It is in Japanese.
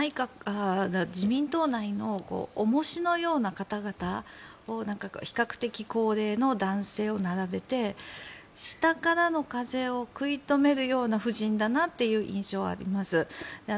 自民党内の重しのような方々比較的、高齢の男性を並べて下からの風を食い止めるような布陣だなという印象はあります。